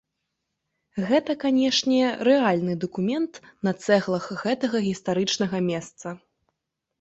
Гэта, канешне, рэальны дакумент на цэглах гэтага гістарычнага месца.